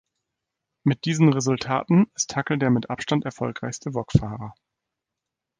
Mit diesen Resultaten ist Hackl der mit Abstand erfolgreichste Wok-Fahrer.